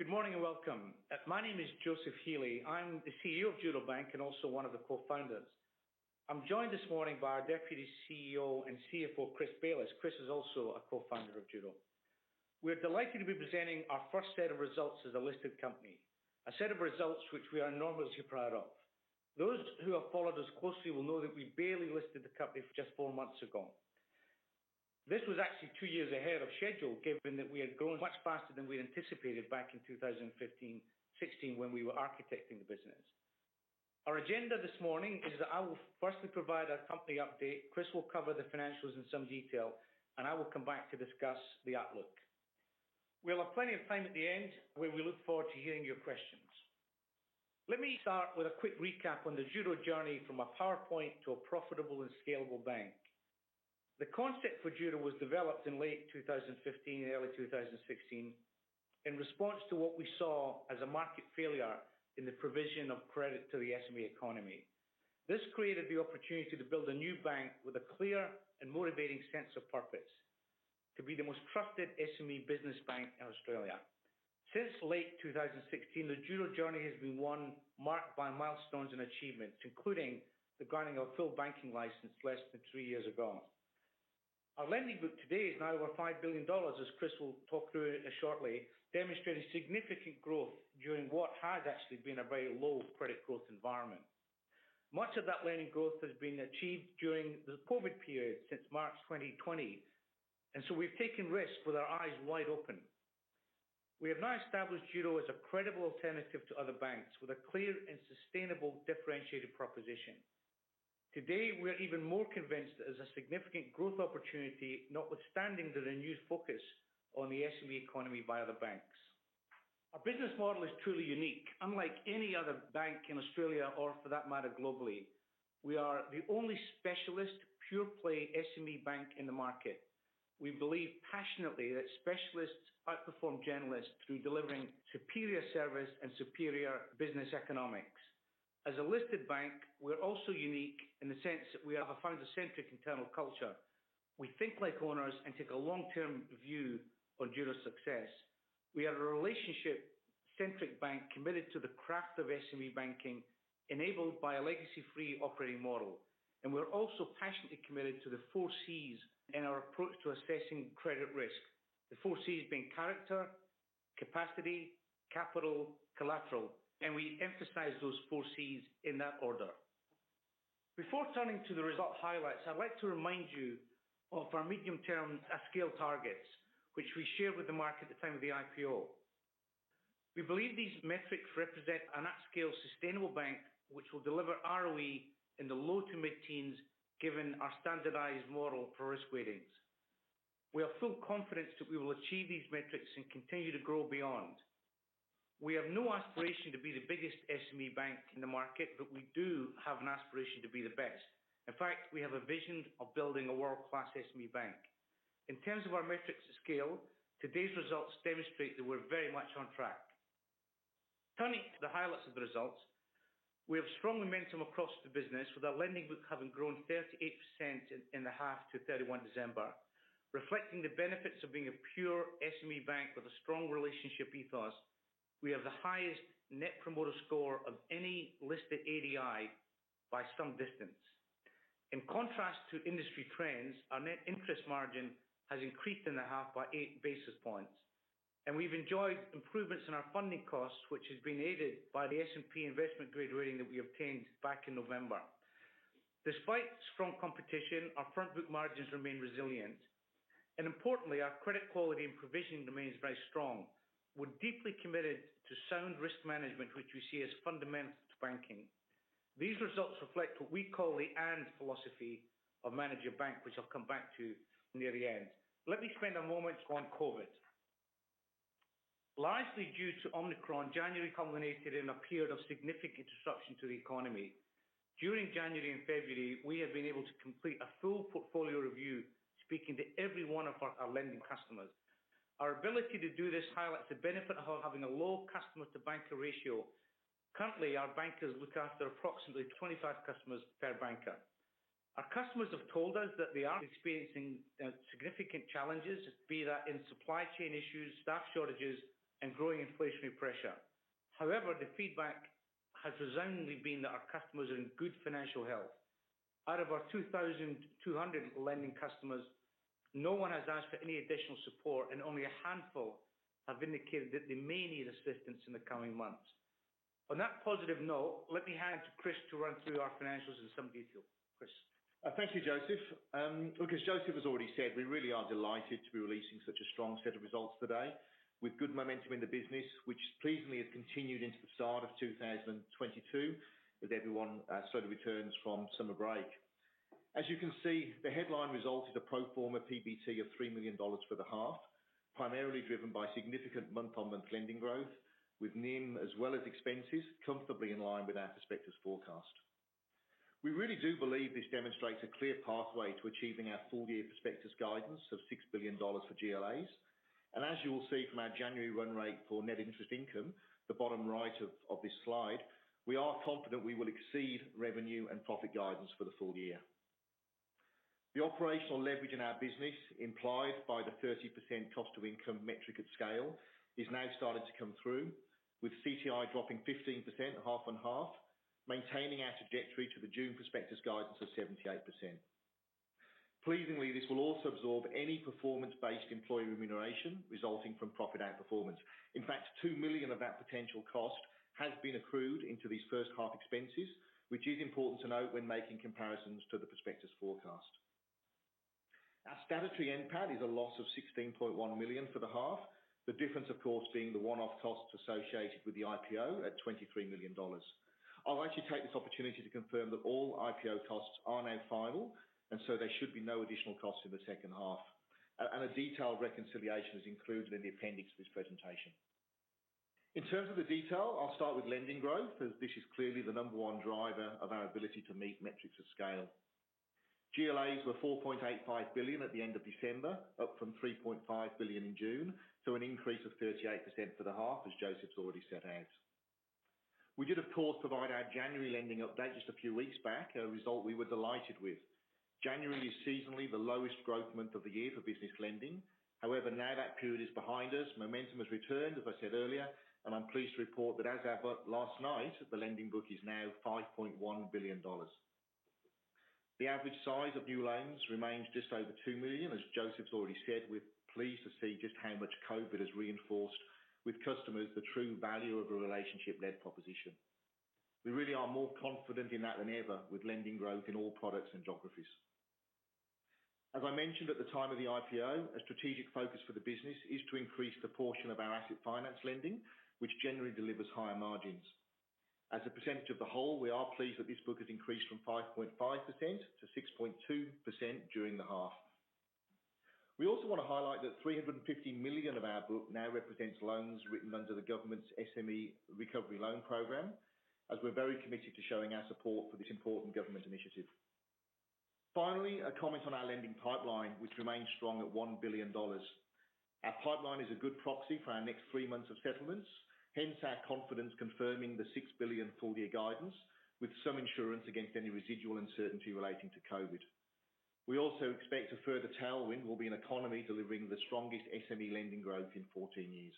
Good morning and welcome. My name is Joseph Healy. I'm the CEO of Judo Bank and also one of the co-founders. I'm joined this morning by our Deputy CEO and CFO, Chris Bayliss. Chris is also a co-founder of Judo. We're delighted to be presenting our first set of results as a listed company. A set of results which we are enormously proud of. Those who have followed us closely will know that we barely listed the company just 4 months ago. This was actually 2 years ahead of schedule, given that we had grown much faster than we'd anticipated back in 2015, 2016 when we were architecting the business. Our agenda this morning is that I will firstly provide a company update. Chris will cover the financials in some detail, and I will come back to discuss the outlook. We'll have plenty of time at the end where we look forward to hearing your questions. Let me start with a quick recap on the Judo journey from a PowerPoint to a profitable and scalable bank. The concept for Judo was developed in late 2015 and early 2016 in response to what we saw as a market failure in the provision of credit to the SME economy. This created the opportunity to build a new bank with a clear and motivating sense of purpose, to be the most trusted SME business bank in Australia. Since late 2016, the Judo journey has been one marked by milestones and achievements, including the granting of full banking license less than three years ago. Our lending book today is now over 5 billion dollars, as Chris will talk through it shortly, demonstrating significant growth during what has actually been a very low credit growth environment. Much of that lending growth has been achieved during the COVID period since March 2020, and so we've taken risks with our eyes wide open. We have now established Judo as a credible alternative to other banks with a clear and sustainable differentiated proposition. Today, we're even more convinced there's a significant growth opportunity, notwithstanding the renewed focus on the SME economy by other banks. Our business model is truly unique, unlike any other bank in Australia or for that matter, globally. We are the only specialist pure-play SME bank in the market. We believe passionately that specialists outperform generalists through delivering superior service and superior business economics. As a listed bank, we're also unique in the sense that we have a founder-centric internal culture. We think like owners and take a long-term view on Judo success. We are a relationship-centric bank committed to the craft of SME banking, enabled by a legacy-free operating model. We're also passionately committed to the four Cs in our approach to assessing credit risk. The four Cs being character, capacity, capital, collateral, and we emphasize those four Cs in that order. Before turning to the result highlights, I'd like to remind you of our medium-term at scale targets, which we shared with the market at the time of the IPO. We believe these metrics represent an at-scale sustainable bank which will deliver ROE in the low- to mid-teens, given our standardized model for risk weightings. We are fully confident that we will achieve these metrics and continue to grow beyond. We have no aspiration to be the biggest SME bank in the market, but we do have an aspiration to be the best. In fact, we have a vision of building a world-class SME bank. In terms of our metrics to scale, today's results demonstrate that we're very much on track. Turning to the highlights of the results, we have strong momentum across the business with our lending book having grown 38% in the half to 31 December. Reflecting the benefits of being a pure SME bank with a strong relationship ethos, we have the highest Net Promoter Score of any listed ADI by some distance. In contrast to industry trends, our net interest margin has increased in the half by 8 basis points, and we've enjoyed improvements in our funding costs, which has been aided by the S&P investment-grade rating that we obtained back in November. Despite strong competition, our front book margins remain resilient. Importantly, our credit quality and provisioning remains very strong. We're deeply committed to sound risk management, which we see as fundamental to banking. These results reflect what we call the Judo philosophy of Judo Bank, which I'll come back to near the end. Let me spend a moment on COVID. Largely due to Omicron, January culminated in a period of significant disruption to the economy. During January and February, we have been able to complete a full portfolio review, speaking to every one of our lending customers. Our ability to do this highlights the benefit of having a low customer-to-banker ratio. Currently, our bankers look after approximately 25 customers per banker. Our customers have told us that they are experiencing significant challenges, be that in supply chain issues, staff shortages, and growing inflationary pressure. However, the feedback has resoundingly been that our customers are in good financial health. Out of our 2,200 lending customers, no one has asked for any additional support, and only a handful have indicated that they may need assistance in the coming months. On that positive note, let me hand to Chris to run through our financials in some detail. Chris. Thank you, Joseph. Look, as Joseph has already said, we really are delighted to be releasing such a strong set of results today with good momentum in the business, which pleasingly has continued into the start of 2022 as everyone slowly returns from summer break. As you can see, the headline result is a pro forma PBT of 3 million dollars for the half, primarily driven by significant month-on-month lending growth with NIM as well as expenses comfortably in line with our prospectus forecast. We really do believe this demonstrates a clear pathway to achieving our full-year prospectus guidance of 6 billion dollars for GLAs. As you will see from our January run rate for net interest income, the bottom right of this slide, we are confident we will exceed revenue and profit guidance for the full year. The operational leverage in our business implied by the 30% cost to income metric at scale is now starting to come through, with CTI dropping 15% half on half, maintaining our trajectory to the June prospectus guidance of 78%. Pleasingly, this will also absorb any performance-based employee remuneration resulting from profit outperformance. In fact, 2 million of that potential cost has been accrued into these first half expenses, which is important to note when making comparisons to the prospectus forecast. Our statutory NPAT is a loss of 16.1 million for the half. The difference, of course, being the one-off costs associated with the IPO at 23 million dollars. I'll actually take this opportunity to confirm that all IPO costs are now final, and there should be no additional costs in the second half. A detailed reconciliation is included in the appendix of this presentation. In terms of the detail, I'll start with lending growth, as this is clearly the number one driver of our ability to meet metrics of scale. GLAs were 4.85 billion at the end of December, up from 3.5 billion in June. An increase of 38% for the half, as Joseph's already set out. We did, of course, provide our January lending update just a few weeks back, a result we were delighted with. January is seasonally the lowest growth month of the year for business lending. However, now that period is behind us, momentum has returned, as I said earlier, and I'm pleased to report that as at last night, the lending book is now 5.1 billion dollars. The average size of new loans remains just over 2 million. As Joseph's already said, we're pleased to see just how much COVID has reinforced with customers the true value of a relationship-led proposition. We really are more confident in that than ever with lending growth in all products and geographies. As I mentioned at the time of the IPO, a strategic focus for the business is to increase the portion of our asset finance lending, which generally delivers higher margins. As a percentage of the whole, we are pleased that this book has increased from 5.5%-6.2% during the half. We also want to highlight that 350 million of our book now represents loans written under the government's SME Recovery Loan Scheme, as we're very committed to showing our support for this important government initiative. Finally, a comment on our lending pipeline, which remains strong at 1 billion dollars. Our pipeline is a good proxy for our next 3 months of settlements. Hence our confidence confirming the 6 billion full year guidance, with some insurance against any residual uncertainty relating to COVID. We also expect a further tailwind will be an economy delivering the strongest SME lending growth in 14 years.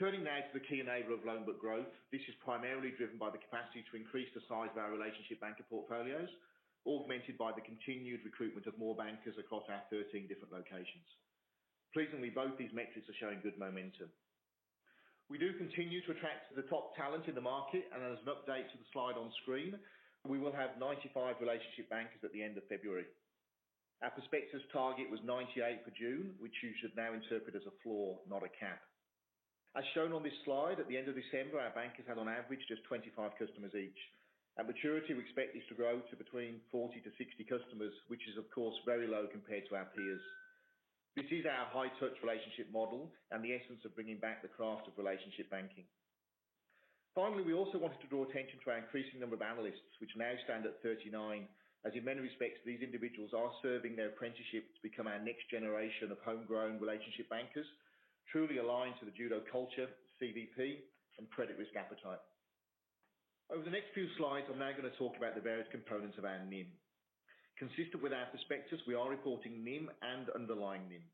Turning now to the key enabler of loan book growth. This is primarily driven by the capacity to increase the size of our relationship banker portfolios, augmented by the continued recruitment of more bankers across our 13 different locations. Pleasingly, both these metrics are showing good momentum. We do continue to attract the top talent in the market, and as an update to the slide on screen, we will have 95 relationship bankers at the end of February. Our prospectus target was 98 for June, which you should now interpret as a floor, not a cap. As shown on this slide, at the end of December, our bankers had on average just 25 customers each. At maturity, we expect this to grow to between 40-60 customers, which is of course, very low compared to our peers. This is our high touch relationship model and the essence of bringing back the craft of relationship banking. Finally, we also wanted to draw attention to our increasing number of analysts, which now stand at 39, as in many respects, these individuals are serving their apprenticeship to become our next generation of homegrown relationship bankers, truly aligned to the Judo culture, CVP, and credit risk appetite. Over the next few slides, I'm now going to talk about the various components of our NIM. Consistent with our prospectus, we are reporting NIM and underlying NIM.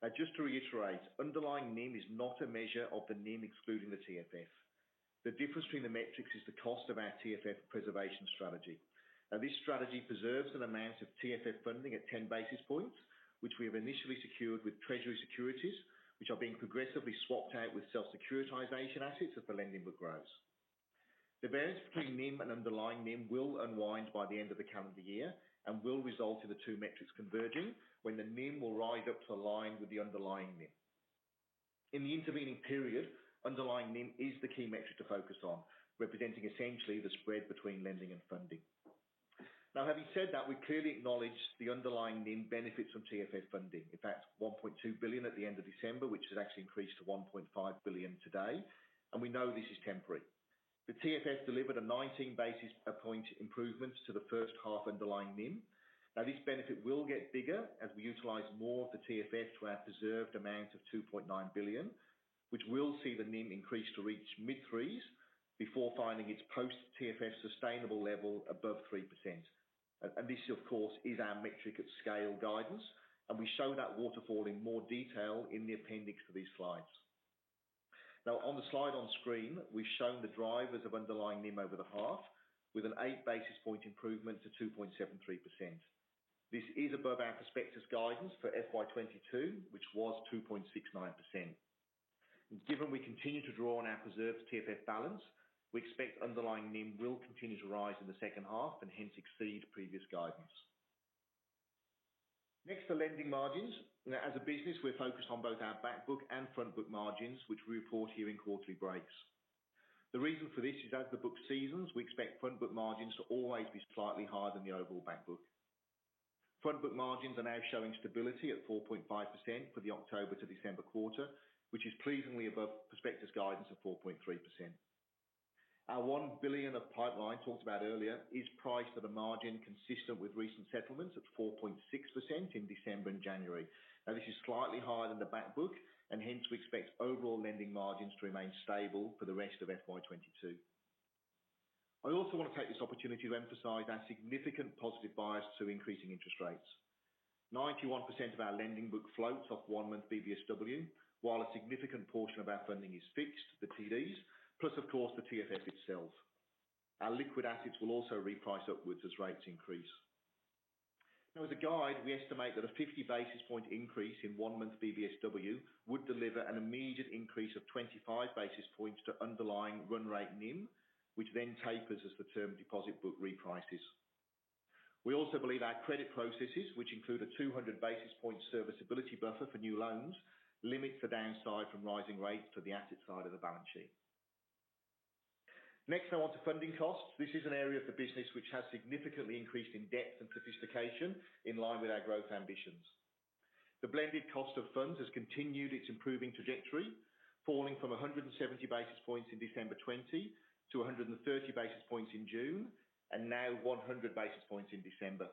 Now, just to reiterate, underlying NIM is not a measure of the NIM excluding the TFF. The difference between the metrics is the cost of our TFF preservation strategy. Now, this strategy preserves an amount of TFF funding at 10 basis points, which we have initially secured with Treasury securities, which are being progressively swapped out with self-securitization assets as the lending book grows. The variance between NIM and underlying NIM will unwind by the end of the calendar year and will result in the two metrics converging, when the NIM will rise up to align with the underlying NIM. In the intervening period, underlying NIM is the key metric to focus on, representing essentially the spread between lending and funding. Now, having said that, we clearly acknowledge the underlying NIM benefits from TFF funding. In fact, 1.2 billion at the end of December, which has actually increased to 1.5 billion today, and we know this is temporary. The TFF delivered a 19 basis point improvement to the first half underlying NIM. Now, this benefit will get bigger as we utilize more of the TFF to our preserved amount of 2.9 billion, which will see the NIM increase to reach mid-3s before finding its post-TFF sustainable level above 3%. And this of course is our metric at scale guidance, and we show that waterfall in more detail in the appendix for these slides. Now on the slide on screen, we've shown the drivers of underlying NIM over the half with an 8 basis point improvement to 2.73%. This is above our prospectus guidance for FY 2022, which was 2.69%. Given we continue to draw on our preserved TFF balance, we expect underlying NIM will continue to rise in the second half and hence exceed previous guidance. Next are lending margins. Now as a business, we're focused on both our back book and front book margins, which we report here in quarterly breaks. The reason for this is as the book seasons, we expect front book margins to always be slightly higher than the overall back book. Front book margins are now showing stability at 4.5% for the October to December quarter, which is pleasingly above prospectus guidance of 4.3%. Our 1 billion of pipeline talked about earlier is priced at a margin consistent with recent settlements at 4.6% in December and January. Now this is slightly higher than the back book and hence we expect overall lending margins to remain stable for the rest of FY 2022. I also want to take this opportunity to emphasize our significant positive bias to increasing interest rates. 91% of our lending book floats off one-month BBSW, while a significant portion of our funding is fixed, the TDs, plus of course, the TFF itself. Our liquid assets will also reprice upwards as rates increase. Now as a guide, we estimate that a 50 basis point increase in one-month BBSW would deliver an immediate increase of 25 basis points to underlying run rate NIM, which then tapers as the term deposit book reprices. We also believe our credit processes, which include a 200 basis point serviceability buffer for new loans, limit the downside from rising rates for the asset side of the balance sheet. Next now onto funding costs. This is an area of the business which has significantly increased in depth and sophistication in line with our growth ambitions. The blended cost of funds has continued its improving trajectory, falling from 170 basis points in December 2020 to 130 basis points in June, and now 100 basis points in December.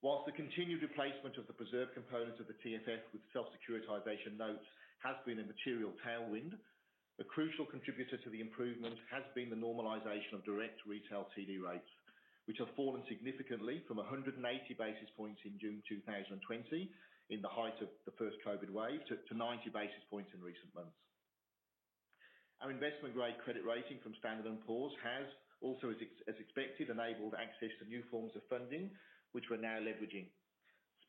While the continued replacement of the preserved component of the TFF with self-securitization notes has been a material tailwind, the crucial contributor to the improvement has been the normalization of direct retail TD rates, which have fallen significantly from 180 basis points in June 2020 in the height of the first COVID wave to 90 basis points in recent months. Our investment-grade credit rating from Standard & Poor's has also, as expected, enabled access to new forms of funding, which we're now leveraging.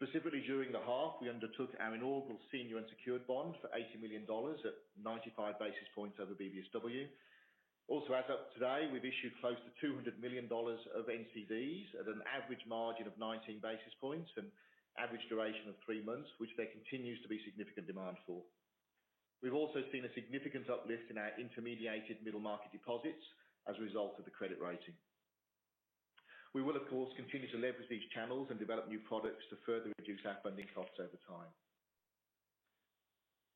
Specifically, during the half, we undertook our inaugural senior unsecured bond for 80 million dollars at 95 basis points over BBSW. As of today, we've issued close to 200 million dollars of NCDs at an average margin of 19 basis points and average duration of 3 months, which there continues to be significant demand for. We've also seen a significant uplift in our intermediated middle market deposits as a result of the credit rating. We will, of course, continue to leverage these channels and develop new products to further reduce our funding costs over time.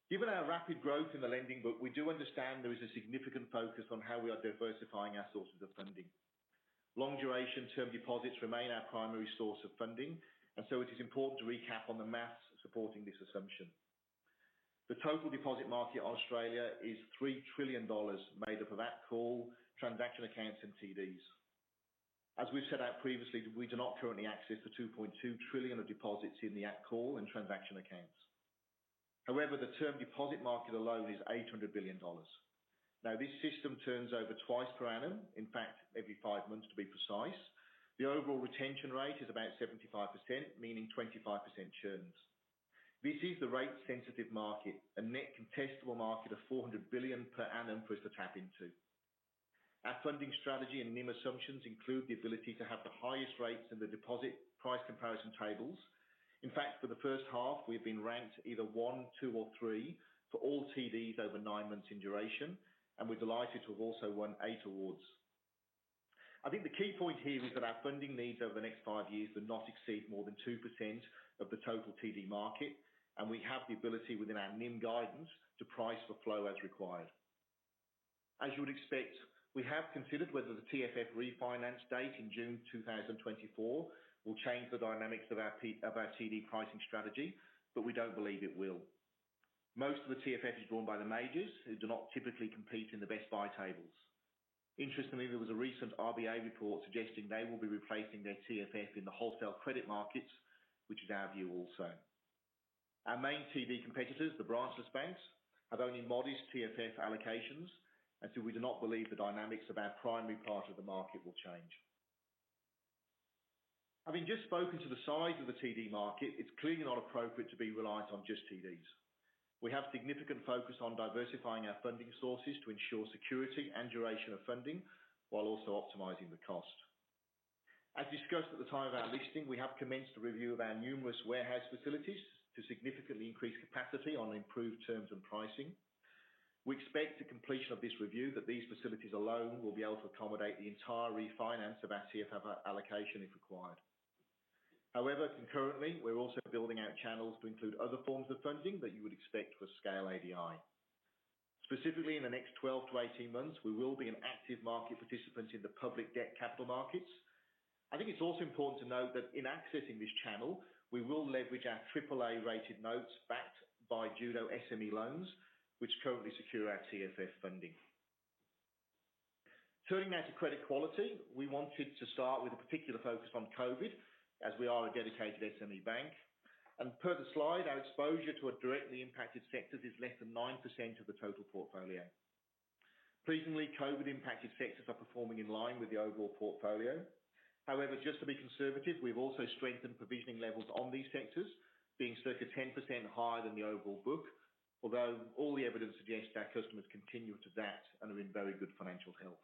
Given our rapid growth in the lending book, we do understand there is a significant focus on how we are diversifying our sources of funding. Long duration term deposits remain our primary source of funding, and so it is important to recap on the math supporting this assumption. The total deposit market Australia is 3 trillion dollars made up of at call, transaction accounts, and TDs. As we've set out previously, we do not currently access the 2.2 trillion of deposits in the at call and transaction accounts. However, the term deposit market alone is 800 billion dollars. Now, this system turns over 2 times per annum. In fact, every 5 months to be precise. The overall retention rate is about 75%, meaning 25% churns. This is the rate sensitive market, a net contestable market of 400 billion per annum for us to tap into. Our funding strategy and NIM assumptions include the ability to have the highest rates in the deposit price comparison tables. In fact, for the first half we've been ranked either 1, 2 or 3 for all TDs over 9 months in duration, and we're delighted to have also won 8 awards. I think the key point here is that our funding needs over the next five years do not exceed more than 2% of the total TD market, and we have the ability within our NIM guidance to price for flow as required. As you would expect, we have considered whether the TFF refinance date in June 2024 will change the dynamics of our TD pricing strategy, but we don't believe it will. Most of the TFF is drawn by the majors who do not typically compete in the best buy tables. Interestingly, there was a recent RBA report suggesting they will be replacing their TFF in the wholesale credit markets, which is our view also. Our main TD competitors, the branchless banks, have only modest TFF allocations, and so we do not believe the dynamics of our primary part of the market will change. Having just spoken to the size of the TD market, it's clearly not appropriate to be reliant on just TDs. We have significant focus on diversifying our funding sources to ensure security and duration of funding while also optimizing the cost. As discussed at the time of our listing, we have commenced a review of our numerous warehouse facilities to significantly increase capacity on improved terms and pricing. We expect the completion of this review that these facilities alone will be able to accommodate the entire refinance of our TFF allocation if required. However, concurrently, we're also building out channels to include other forms of funding that you would expect for scale ADI. Specifically in the next 12-18 months, we will be an active market participant in the public debt capital markets. I think it's also important to note that in accessing this channel, we will leverage our triple-A rated notes backed by Judo SME loans, which currently secure our TFF funding. Turning now to credit quality. We wanted to start with a particular focus on COVID, as we are a dedicated SME bank. Per the slide, our exposure to directly impacted sectors is less than 9% of the total portfolio. Pleasingly, COVID-impacted sectors are performing in line with the overall portfolio. However, just to be conservative, we've also strengthened provisioning levels on these sectors, being circa 10% higher than the overall book. Although all the evidence suggests that our customers continue to adapt and are in very good financial health.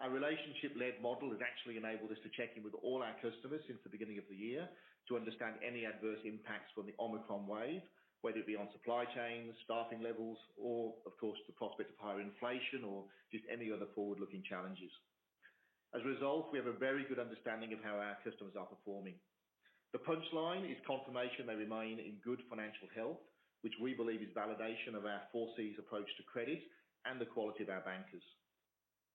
Our relationship-led model has actually enabled us to check in with all our customers since the beginning of the year to understand any adverse impacts from the Omicron wave, whether it be on supply chains, staffing levels, or of course, the prospect of higher inflation or just any other forward-looking challenges. As a result, we have a very good understanding of how our customers are performing. The punchline is confirmation they remain in good financial health, which we believe is validation of our four Cs approach to credit and the quality of our bankers.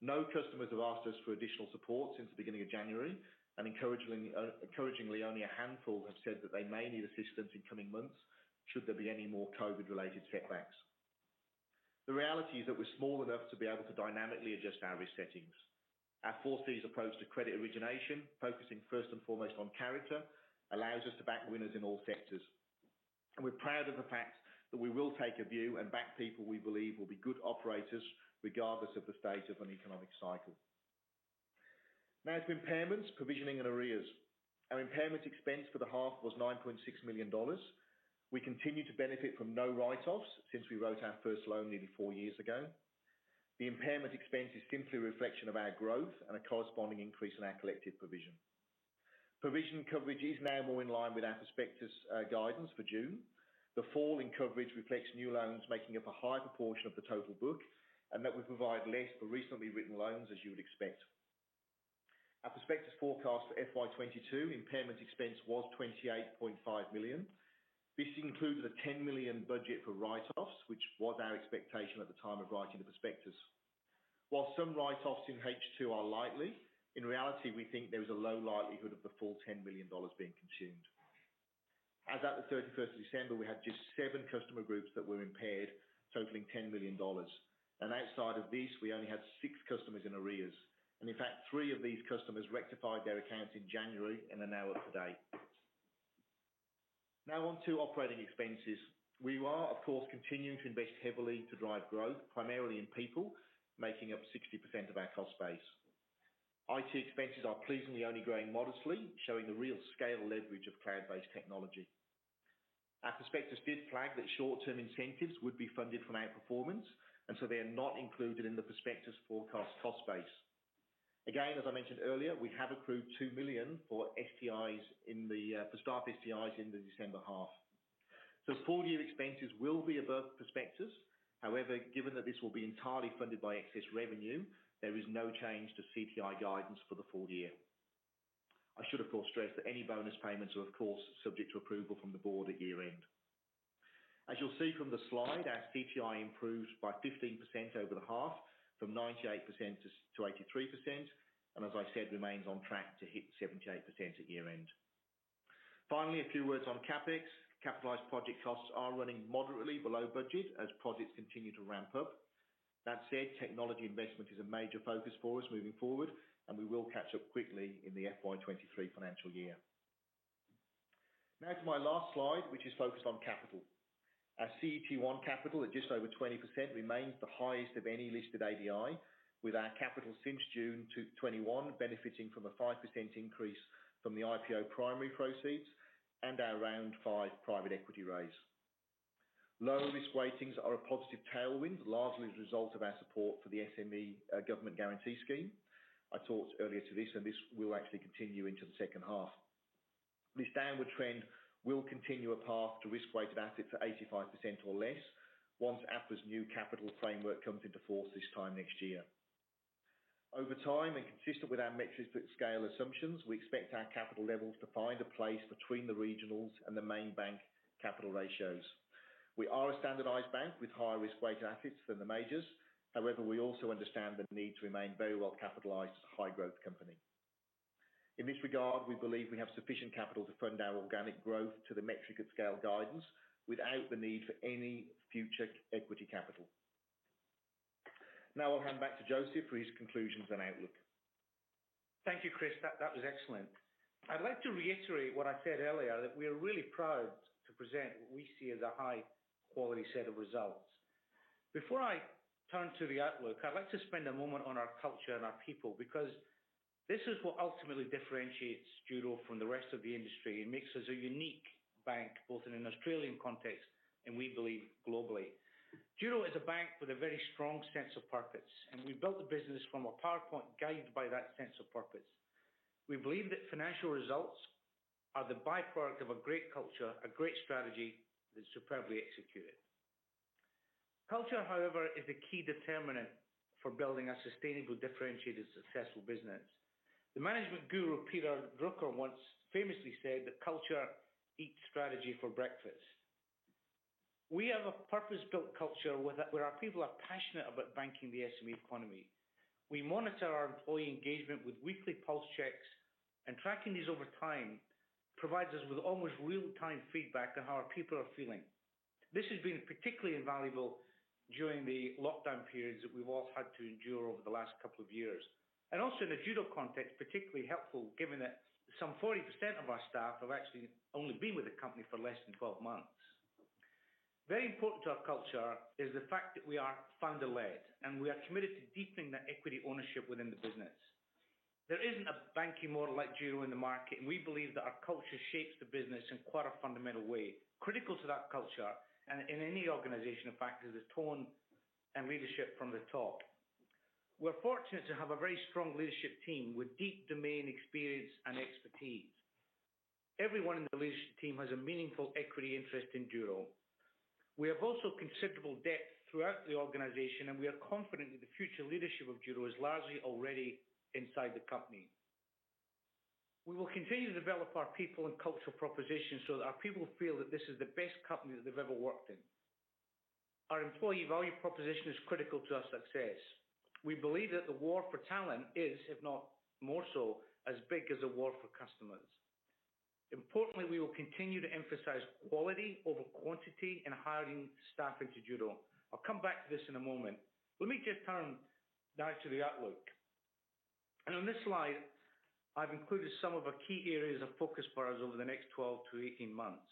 No customers have asked us for additional support since the beginning of January, and encouragingly, only a handful have said that they may need assistance in coming months should there be any more COVID related setbacks. The reality is that we're small enough to be able to dynamically adjust our risk settings. Our four Cs approach to credit origination, focusing first and foremost on character, allows us to back winners in all sectors. We're proud of the fact that we will take a view and back people we believe will be good operators regardless of the state of an economic cycle. Now to impairments, provisioning and arrears. Our impairment expense for the half was 9.6 million dollars. We continue to benefit from no write-offs since we wrote our first loan nearly 4 years ago. The impairment expense is simply a reflection of our growth and a corresponding increase in our collective provision. Provision coverage is now more in line with our prospectus guidance for June. The fall in coverage reflects new loans making up a higher proportion of the total book, and that we provide less for recently written loans, as you would expect. Our prospectus forecast for FY 2022, impairment expense was 28.5 million. This included a 10 million budget for write-offs, which was our expectation at the time of writing the prospectus. While some write-offs in H2 are likely, in reality, we think there is a low likelihood of the full 10 million dollars being consumed. As at the 31st of December, we had just seven customer groups that were impaired, totaling 10 million dollars. Outside of these, we only had six customers in arrears. In fact, three of these customers rectified their accounts in January and are now up to date. Now on to operating expenses. We are of course, continuing to invest heavily to drive growth, primarily in people, making up 60% of our cost base. IT expenses are pleasingly only growing modestly, showing the real scale leverage of cloud-based technology. Our prospectus did flag that short-term incentives would be funded from our performance, and so they are not included in the prospectus forecast cost base. Again, as I mentioned earlier, we have accrued 2 million for STIs in the for staff STIs in the December half. Full year expenses will be above prospectus. However, given that this will be entirely funded by excess revenue, there is no change to CTI guidance for the full year. I should of course stress that any bonus payments are of course subject to approval from the board at year-end. As you'll see from the slide, our CTI improved by 15% over the half from 98% - 83%, and as I said, remains on track to hit 78% at year-end. Finally, a few words on CapEx. Capitalized project costs are running moderately below budget as projects continue to ramp up. That said, technology investment is a major focus for us moving forward, and we will catch up quickly in the FY 2023 financial year. Now to my last slide, which is focused on capital. Our CET1 capital at just over 20% remains the highest of any listed ADI, with our capital since June 2021 benefiting from a 5% increase from the IPO primary proceeds and our round 5 private equity raise. Lower risk weightings are a positive tailwind, largely as a result of our support for the SME government guarantee scheme. I talked earlier to this, and this will actually continue into the second half. This downward trend will continue a path to risk-weighted assets at 85% or less once APRA's new capital framework comes into force this time next year. Over time, and consistent with our metrics at scale assumptions, we expect our capital levels to find a place between the regionals and the main bank capital ratios. We are a standardized bank with higher risk-weighted assets than the majors. However, we also understand the need to remain very well-capitalized high growth company. In this regard, we believe we have sufficient capital to fund our organic growth to the metric at scale guidance without the need for any future equity capital. Now I'll hand back to Joseph for his conclusions and outlook. Thank you, Chris. That was excellent. I'd like to reiterate what I said earlier, that we are really proud to present what we see as a high quality set of results. Before I turn to the outlook, I'd like to spend a moment on our culture and our people, because this is what ultimately differentiates Judo from the rest of the industry. It makes us a unique bank, both in an Australian context and we believe globally. Judo is a bank with a very strong sense of purpose, and we built the business from a PowerPoint guided by that sense of purpose. We believe that financial results are the byproduct of a great culture, a great strategy that's superbly executed. Culture, however, is the key determinant for building a sustainable, differentiated, successful business. The management guru, Peter Drucker, once famously said that culture eats strategy for breakfast. We have a purpose-built culture where our people are passionate about banking the SME economy. We monitor our employee engagement with weekly pulse checks, and tracking these over time provides us with almost real-time feedback on how our people are feeling. This has been particularly invaluable during the lockdown periods that we've all had to endure over the last couple of years, and also in the Judo context, particularly helpful given that some 40% of our staff have actually only been with the company for less than 12 months. Very important to our culture is the fact that we are founder-led, and we are committed to deepening that equity ownership within the business. There isn't a banking model like Judo in the market, and we believe that our culture shapes the business in quite a fundamental way. Critical to that culture and in any organization, in fact, is the tone and leadership from the top. We're fortunate to have a very strong leadership team with deep domain experience and expertise. Everyone in the leadership team has a meaningful equity interest in Judo. We have also considerable depth throughout the organization, and we are confident that the future leadership of Judo is largely already inside the company. We will continue to develop our people and cultural propositions so that our people feel that this is the best company that they've ever worked in. Our employee value proposition is critical to our success. We believe that the war for talent is, if not more so, as big as the war for customers. Importantly, we will continue to emphasize quality over quantity in hiring staff into Judo. I'll come back to this in a moment. Let me just turn now to the outlook. On this slide, I've included some of our key areas of focus for us over the next 12-18 months.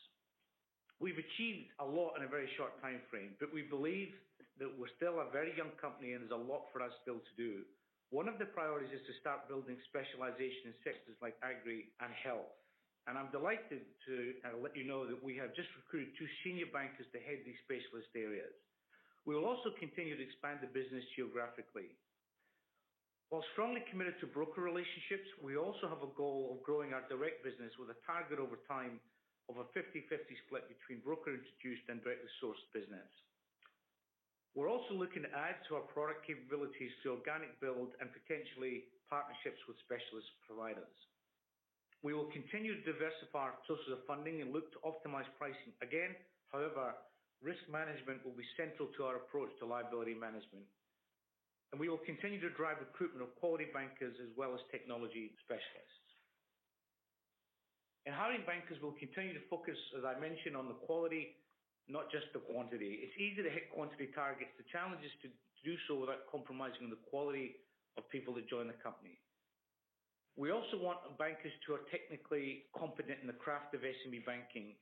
We've achieved a lot in a very short timeframe, but we believe that we're still a very young company, and there's a lot for us still to do. One of the priorities is to start building specialization in sectors like agri and health. I'm delighted to let you know that we have just recruited 2 senior bankers to head these specialist areas. We will also continue to expand the business geographically. While strongly committed to broker relationships, we also have a goal of growing our direct business with a target over time of a 50/50 split between broker introduced and directly sourced business. We're also looking to add to our product capabilities through organic build and potentially partnerships with specialist providers. We will continue to diversify our sources of funding and look to optimize pricing again. However, risk management will be central to our approach to liability management. We will continue to drive recruitment of quality bankers as well as technology specialists. In hiring bankers, we'll continue to focus, as I mentioned, on the quality, not just the quantity. It's easy to hit quantity targets. The challenge is to do so without compromising the quality of people that join the company. We also want bankers who are technically competent in the craft of SME banking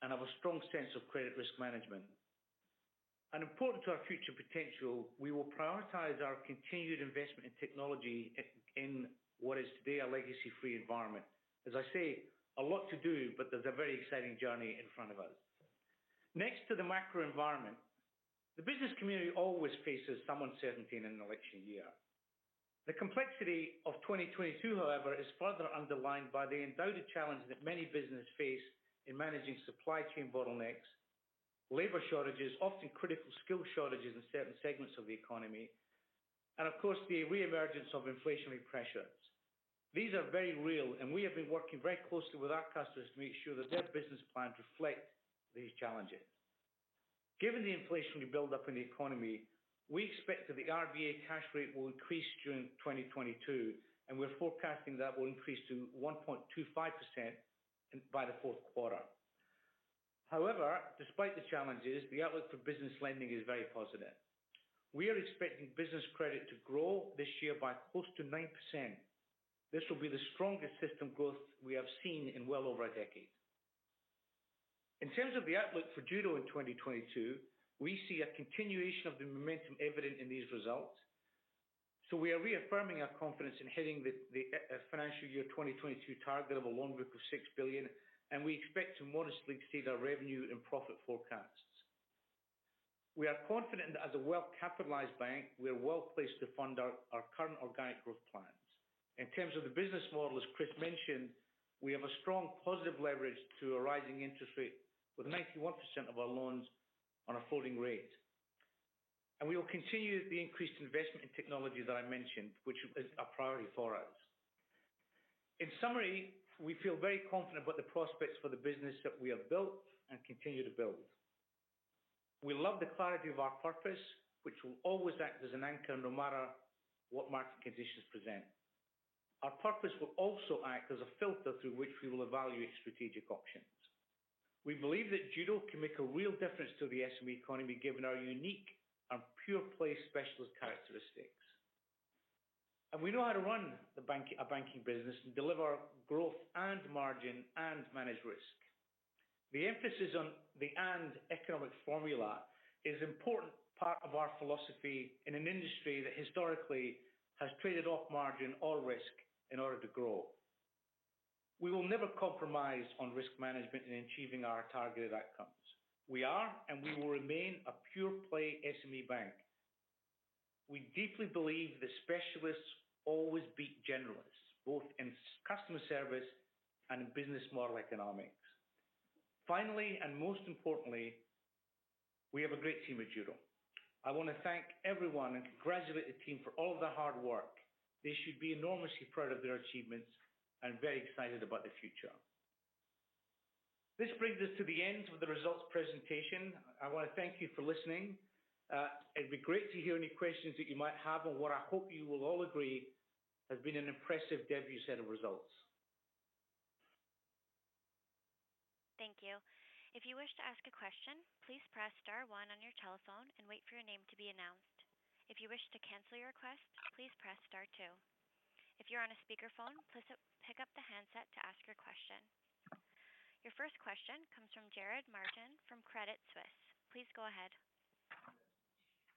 and have a strong sense of credit risk management. Important to our future potential, we will prioritize our continued investment in technology in what is today a legacy free environment. As I say, a lot to do, but there's a very exciting journey in front of us. Next to the macro environment, the business community always faces some uncertainty in an election year. The complexity of 2022, however, is further underlined by the undoubted challenges that many businesses face in managing supply chain bottlenecks, labor shortages, often critical skill shortages in certain segments of the economy, and of course, the reemergence of inflationary pressures. These are very real, and we have been working very closely with our customers to make sure that their business plans reflect these challenges. Given the inflationary build-up in the economy, we expect that the RBA cash rate will increase during 2022, and we're forecasting that will increase to 1.25% in, by the fourth quarter. However, despite the challenges, the outlook for business lending is very positive. We are expecting business credit to grow this year by close to 9%. This will be the strongest system growth we have seen in well over a decade. In terms of the outlook for Judo in 2022, we see a continuation of the momentum evident in these results. We are reaffirming our confidence in hitting the financial year 2022 target of a loan book of 6 billion, and we expect to modestly exceed our revenue and profit forecasts. We are confident that as a well-capitalized bank, we are well-placed to fund our current organic growth plans. In terms of the business model, as Chris mentioned, we have a strong positive leverage to a rising interest rate, with 91% of our loans on a floating rate. We will continue the increased investment in technology that I mentioned, which is a priority for us. In summary, we feel very confident about the prospects for the business that we have built and continue to build. We love the clarity of our purpose, which will always act as an anchor no matter what market conditions present. Our purpose will also act as a filter through which we will evaluate strategic options. We believe that Judo can make a real difference to the SME economy, given our unique and pure play specialist characteristics. We know how to run the bank, a banking business and deliver growth and margin and manage risk. The emphasis on the 'and' economic formula is important part of our philosophy in an industry that historically has traded off margin or risk in order to grow. We will never compromise on risk management in achieving our targeted outcomes. We are, and we will remain a pure play SME bank. We deeply believe that specialists always beat generalists, both in superior customer service and in business model economics. Finally, and most importantly, we have a great team at Judo. I want to thank everyone and congratulate the team for all of their hard work. They should be enormously proud of their achievements and very excited about the future. This brings us to the end of the results presentation. I want to thank you for listening. It'd be great to hear any questions that you might have on what I hope you will all agree has been an impressive debut set of results. Thank you. If you wish to ask a question, please press star one on your telephone and wait for your name to be announced. If you wish to cancel your request, please press star two. If you're on a speakerphone, please pick up the handset to ask your question. Your first question comes from Jarrod Martin from Credit Suisse. Please go ahead.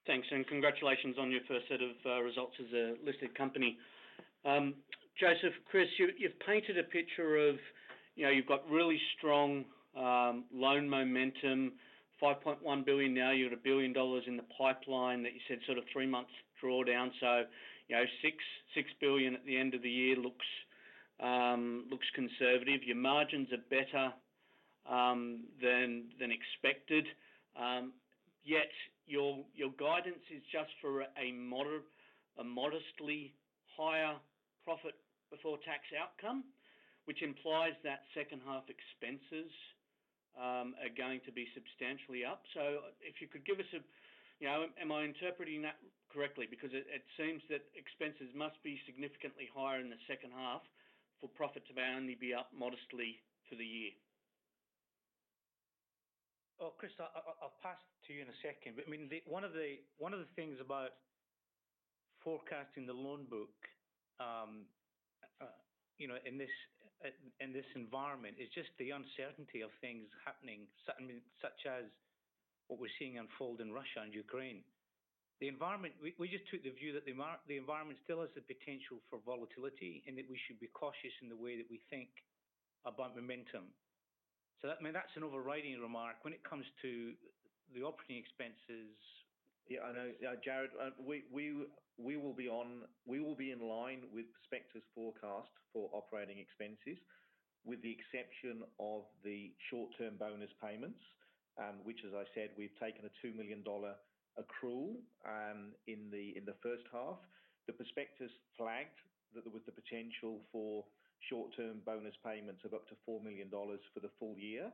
Thanks, and congratulations on your first set of results as a listed company. Joseph, Chris, you've painted a picture of, you know, you've got really strong loan momentum, 5.1 billion now. You're at 1 billion dollars in the pipeline that you said sort of three months draw down. You know, six billion at the end of the year looks conservative. Your margins are better. than expected. Yet your guidance is just for a modestly higher profit before tax outcome, which implies that second half expenses are going to be substantially up. If you could give us, you know, am I interpreting that correctly? Because it seems that expenses must be significantly higher in the second half for profit to only be up modestly for the year. Well, Chris, I'll pass to you in a second. I mean, one of the things about forecasting the loan book in this environment is just the uncertainty of things happening, I mean, such as what we're seeing unfold in Russia and Ukraine. The environment we just took the view that the environment still has the potential for volatility, and that we should be cautious in the way that we think about momentum. I mean, that's an overriding remark. When it comes to the operating expenses. Yeah, I know. Jarrod, we will be in line with Prospectus forecast for operating expenses, with the exception of the short-term bonus payments, which, as I said, we've taken an 2 million dollar accrual, in the first half. The Prospectus flagged that there was the potential for short-term bonus payments of up to 4 million dollars for the full year,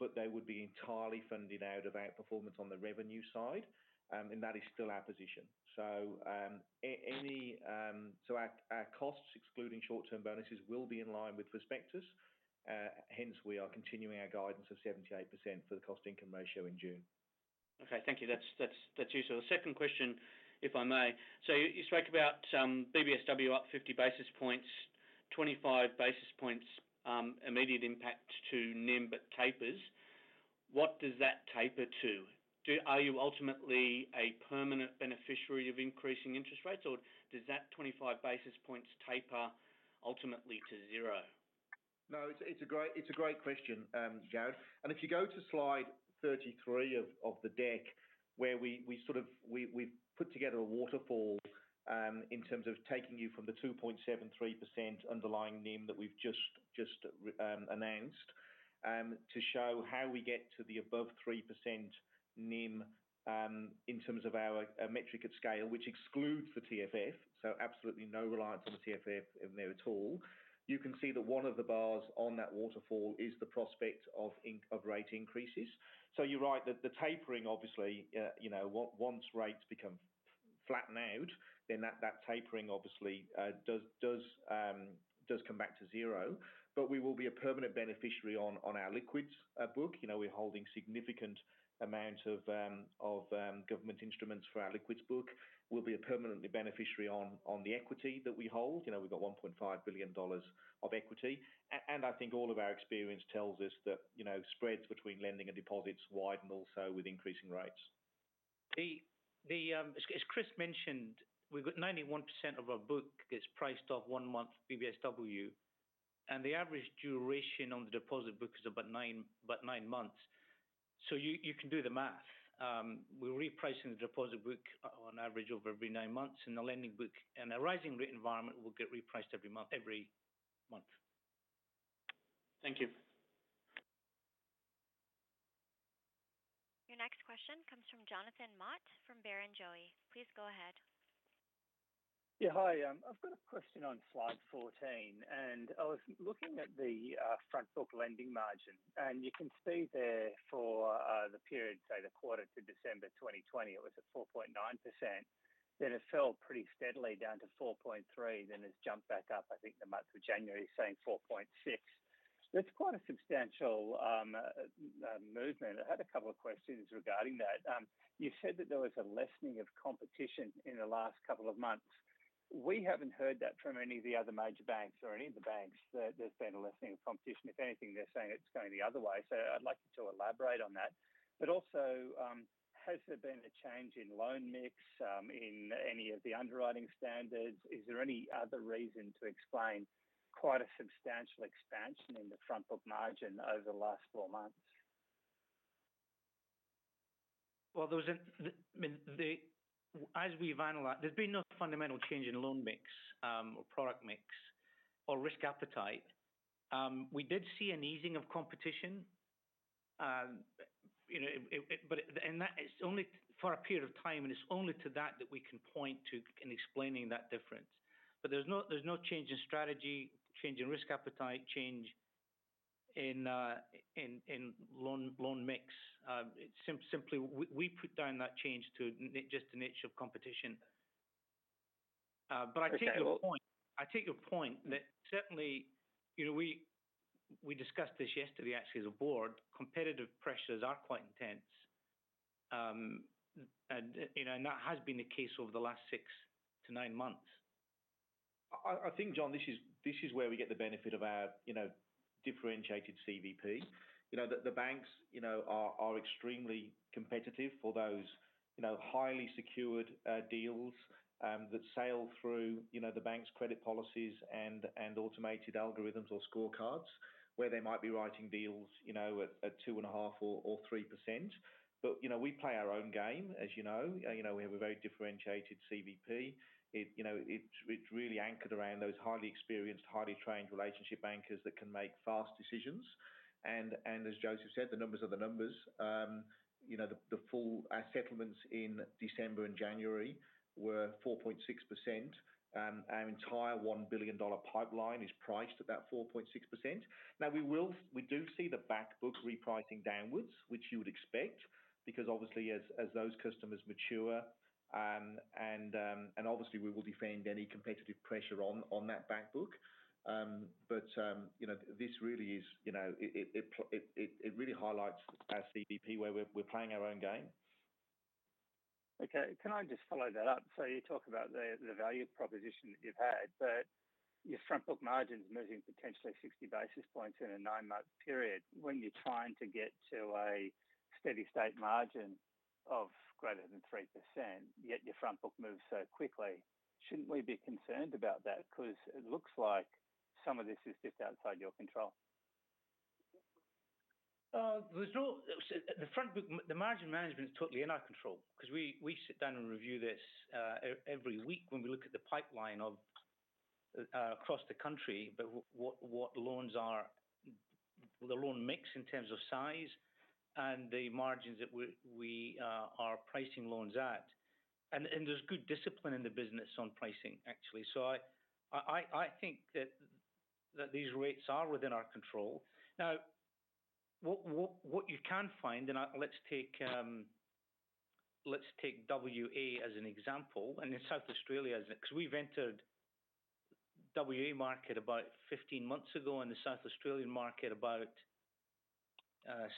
but they would be entirely funded out of our performance on the revenue side, and that is still our position. Our costs, excluding short-term bonuses, will be in line with Prospectus, hence we are continuing our guidance of 78% for the cost-income ratio in June. Okay, thank you. That's useful. The second question, if I may. You spoke about BBSW up 50 basis points, 25 basis points immediate impact to NIM, but tapers. What does that taper to? Are you ultimately a permanent beneficiary of increasing interest rates, or does that 25 basis points taper ultimately to zero? No, it's a great question, Jarrod. If you go to slide 33 of the deck, where we've put together a waterfall in terms of taking you from the 2.73% underlying NIM that we've just announced to show how we get to the above 3% NIM in terms of our metric at scale, which excludes the TFF, so absolutely no reliance on the TFF in there at all. You can see that one of the bars on that waterfall is the prospect of rate increases. You're right that the tapering, obviously, you know, once rates become flattened out, then that tapering obviously does come back to zero. But we will be a permanent beneficiary on our liquids book. You know, we're holding significant amount of government instruments for our liquidity book. We'll be a permanent beneficiary on the equity that we hold. You know, we've got 1.5 billion dollars of equity. I think all of our experience tells us that, you know, spreads between lending and deposits widen also with increasing rates. As Chris mentioned, we've got 91% of our book is priced off 1-month BBSW, and the average duration on the deposit book is about 9 months. You can do the math. We're repricing the deposit book on average of every 9 months, and the lending book in a rising rate environment will get repriced every month. Thank you. Your next question comes from Jonathan Mott from Barrenjoey. Please go ahead. Yeah. Hi, I've got a question on slide 14. I was looking at the front book lending margin, and you can see there for the period, say the quarter to December 2020, it was at 4.9%. Then it fell pretty steadily down to 4.3%, then it's jumped back up, I think, the month of January saying 4.6%. That's quite a substantial movement. I had a couple of questions regarding that. You said that there was a lessening of competition in the last couple of months. We haven't heard that from any of the other major banks or any of the banks, that there's been a lessening of competition. If anything, they're saying it's going the other way. I'd like you to elaborate on that. has there been a change in loan mix, in any of the underwriting standards? Is there any other reason to explain quite a substantial expansion in the front book margin over the last four months? Well, there wasn't, I mean, as we've analyzed, there's been no fundamental change in loan mix or product mix or risk appetite. We did see an easing of competition, you know, that is only for a period of time, and it's only to that that we can point to in explaining that difference. There's no change in strategy, change in risk appetite, change in loan mix. Simply, we put down that change to just the nature of competition. I take your point. Okay. Well I take your point that certainly, you know, we discussed this yesterday actually as a board, competitive pressures are quite intense. You know, that has been the case over the last 6-9 months. I think, John, this is where we get the benefit of our, you know, differentiated CVP. You know, the banks, you know, are extremely competitive for those, you know, highly secured deals that sail through, you know, the bank's credit policies and automated algorithms or scorecards. Where they might be writing deals, you know, at 2.5 or 3%. You know, we play our own game, as you know. You know, we have a very differentiated CVP. It, you know, it's really anchored around those highly experienced, highly trained relationship bankers that can make fast decisions. As Joseph said, the numbers are the numbers. You know, the full settlements in December and January were 4.6%. Our entire 1 billion dollar pipeline is priced at about 4.6%. Now, we do see the back book repricing downwards, which you would expect, because obviously as those customers mature, and obviously we will defend any competitive pressure on that back book. But you know, this really is, you know, it really highlights our CVP, where we're playing our own game. Okay, can I just follow that up? You talk about the value proposition that you've had, but your front book margin's moving potentially 60 basis points in a nine-month period. When you're trying to get to a steady state margin of greater than 3%, yet your front book moves so quickly, shouldn't we be concerned about that? 'Cause it looks like some of this is just outside your control. The margin management is totally in our control 'cause we sit down and review this every week when we look at the pipeline across the country. What loans are in the loan mix in terms of size and the margins that we are pricing loans at. There's good discipline in the business on pricing, actually. I think that these rates are within our control. Now, what you can find. Let's take WA as an example, and then South Australia is next. We've entered the WA market about 15 months ago, and the South Australian market about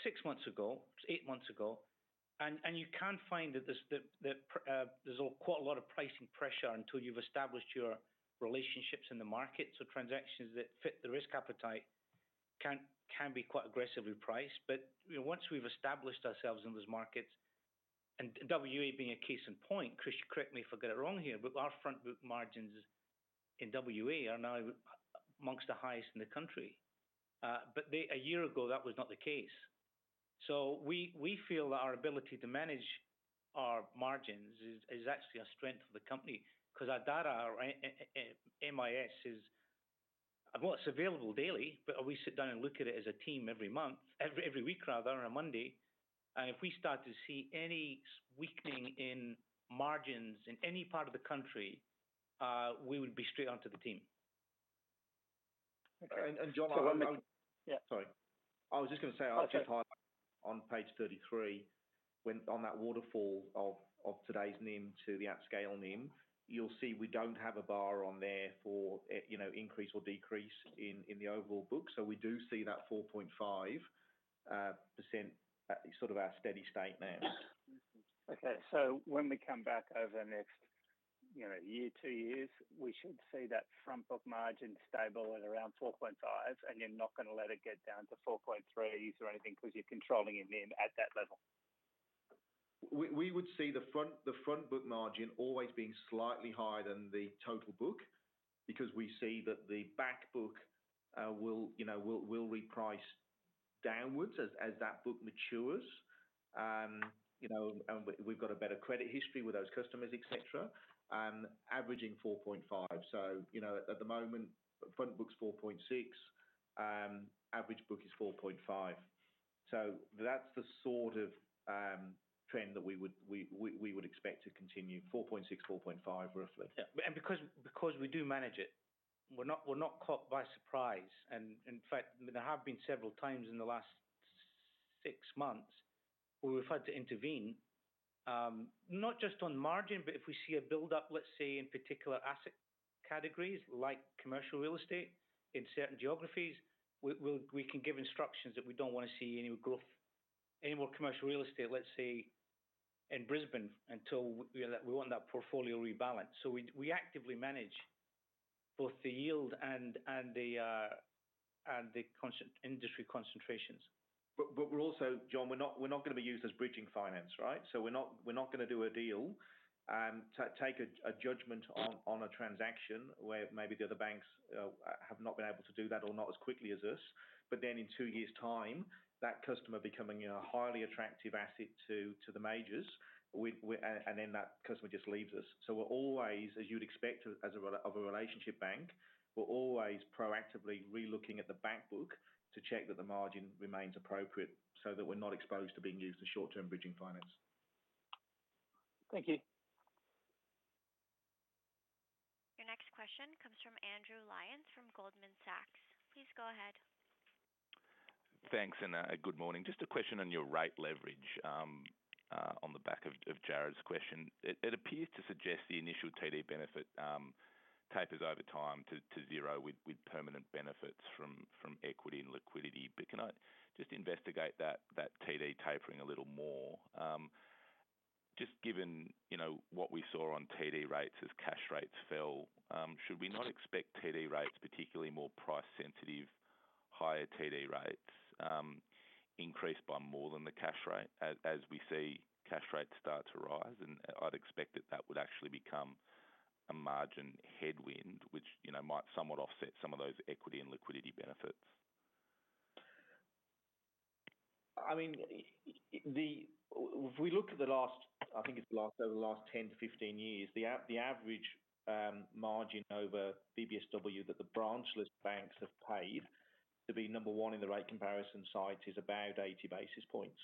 six months ago. It's eight months ago. You can find that there's quite a lot of pricing pressure until you've established your relationships in the market. Transactions that fit the risk appetite can be quite aggressively priced. You know, once we've established ourselves in those markets, and WA being a case in point, Chris, correct me if I get it wrong here, but our front book margins in WA are now among the highest in the country. A year ago, that was not the case. We feel that our ability to manage our margins is actually a strength of the company 'cause our data, our MIS is available daily, but we sit down and look at it as a team every week rather, on a Monday. If we start to see any weakening in margins in any part of the country, we would be straight onto the team. Okay. John, I One minute. Yeah. Sorry. I was just gonna say. Okay. I'll just highlight on page 33, when on that waterfall of today's NIM to the at scale NIM, you'll see we don't have a bar on there for, you know, increase or decrease in the overall book. We do see that 4.5% sort of our steady state now. Okay. When we come back over the next, you know, year, 2 years, we should see that front book margin stable at around 4.5%, and you're not gonna let it get down to 4.3s% or anything 'cause you're controlling your NIM at that level. We would see the front book margin always being slightly higher than the total book, because we see that the back book will, you know, reprice downwards as that book matures. You know, we've got a better credit history with those customers, et cetera, averaging 4.5%. You know, at the moment, front book's 4.6%, average book is 4.5%. That's the sort of trend that we would expect to continue, 4.6%, 4.5%, roughly. Yeah. Because we do manage it, we're not caught by surprise. In fact, there have been several times in the last six months where we've had to intervene, not just on margin, but if we see a buildup, let's say, in particular asset categories like commercial real estate in certain geographies, we'll give instructions that we don't wanna see any growth, any more commercial real estate, let's say, in Brisbane until we want that portfolio rebalanced. We actively manage both the yield and the concentration and industry concentrations. We're also, John, we're not gonna be used as bridging finance, right? We're not gonna do a deal, take a judgment on a transaction where maybe the other banks have not been able to do that or not as quickly as us. In two years' time, that customer becoming a highly attractive asset to the majors, and then that customer just leaves us. We're always, as you'd expect of a relationship bank, proactively relooking at the bank book to check that the margin remains appropriate so that we're not exposed to being used as short-term bridging finance. Thank you. Your next question comes from Andrew Lyons from Goldman Sachs. Please go ahead. Thanks, good morning. Just a question on your rate leverage, on the back of Jarrod's question. It appears to suggest the initial TD benefit tapers over time to zero with permanent benefits from equity and liquidity. Can I just investigate that TD tapering a little more? Just given, you know, what we saw on TD rates as cash rates fell, should we not expect TD rates, particularly more price sensitive, higher TD rates, increase by more than the cash rate as we see cash rates start to rise? I'd expect that would actually become a margin headwind, which, you know, might somewhat offset some of those equity and liquidity benefits. I mean, if we look over the last 10 to 15 years, the average margin over BBSW that the branchless banks have paid to be number one in the rate comparison site is about 80 basis points.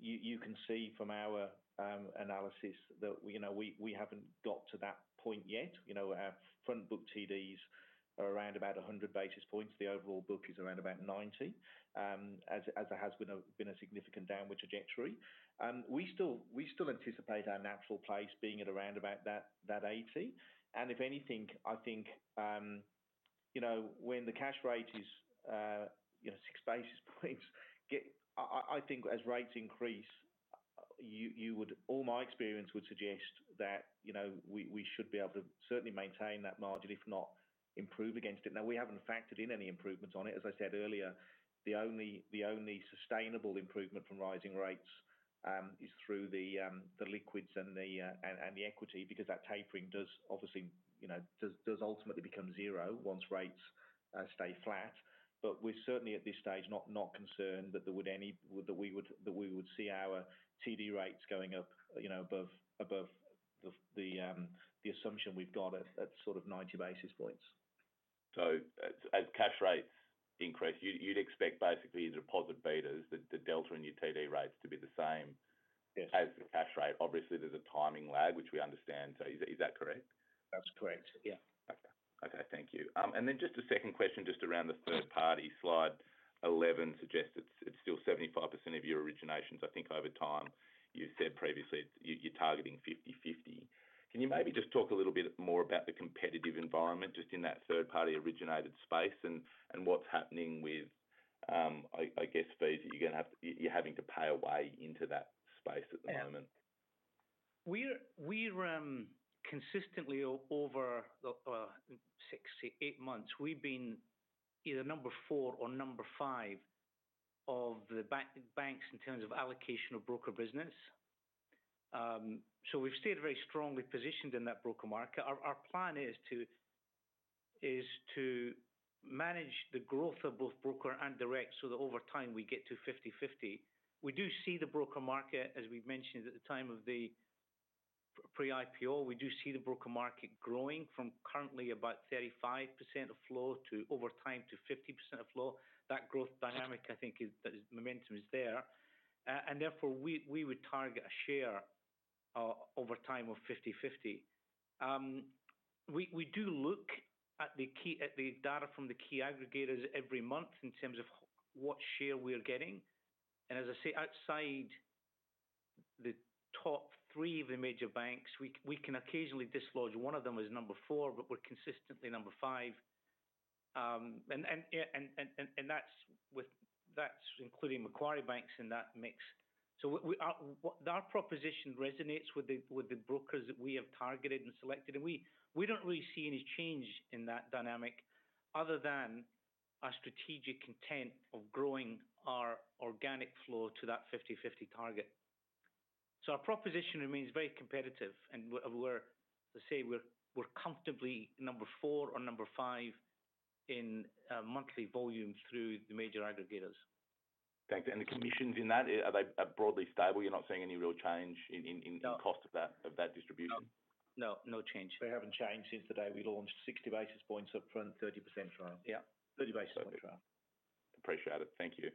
You can see from our analysis that, you know, we haven't got to that point yet. You know, our front book TDs are around about 100 basis points. The overall book is around about 90, as there has been a significant downward trajectory. We still anticipate our natural place being at around about that 80. If anything, I think, you know, when the cash rate is, you know, 6 basis points. I think as rates increase, you would. All my experience would suggest that, you know, we should be able to certainly maintain that margin, if not improve against it. Now, we haven't factored in any improvements on it. As I said earlier, the only sustainable improvement from rising rates is through the liquids and the equity because that tapering does obviously, you know, ultimately become zero once rates stay flat. We're certainly at this stage not concerned that we would see our TD rates going up, you know, above the assumption we've got at sort of 90 basis points. As cash rates increase, you'd expect basically the deposit betas, the delta in your TD rates to be the same. Yes. as the cash rate. Obviously, there's a timing lag, which we understand. Is that correct? That's correct. Yeah. Okay. Okay, thank you. Just a second question just around the third party. Slide 11 suggests it's still 75% of your originations. I think over time, you've said previously you're targeting 50/50. Can you maybe just talk a little bit more about the competitive environment just in that third party originated space and what's happening with, I guess, fees that you're gonna have. You're having to pay away into that space at the moment. Yeah. We're consistently over the 6-8 months, we've been either number 4 or number 5 of the banks in terms of allocation of broker business. We've stayed very strongly positioned in that broker market. Our plan is to manage the growth of both broker and direct so that over time we get to 50/50. We do see the broker market, as we've mentioned at the time of the pre-IPO, we do see the broker market growing from currently about 35% of flow to over time to 50% of flow. That growth dynamic, I think, is the momentum there. Therefore, we would target a share over time of 50/50. We do look at the key. at the data from the key aggregators every month in terms of what share we are getting. As I say, outside the top three of the major banks, we can occasionally dislodge one of them as number four, but we're consistently number five. That's including Macquarie Bank in that mix. Our proposition resonates with the brokers that we have targeted and selected. We don't really see any change in that dynamic other than our strategic intent of growing our organic flow to that 50/50 target. Our proposition remains very competitive and we're comfortably number four or number five in monthly volumes through the major aggregators. Thanks. The commissions in that, are they broadly stable? You're not seeing any real change in No. cost of that distribution? No. No change. They haven't changed since the day we launched 60 basis points upfront, 30% trial. Yeah. 30 basis point trial. Appreciate it. Thank you.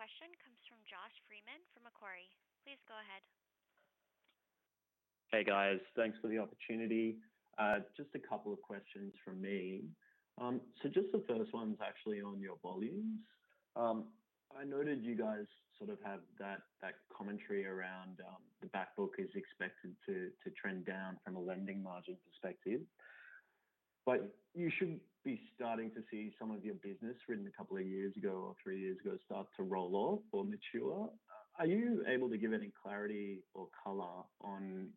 Your next question comes from Josh Freiman from Macquarie. Please go ahead. Hey, guys. Thanks for the opportunity. Just a couple of questions from me. So just the first one's actually on your volumes. I noted you guys sort of have that commentary around the back book is expected to trend down from a lending margin perspective. You should be starting to see some of your business written a couple of years ago or three years ago start to roll off or mature. Are you able to give any clarity or color on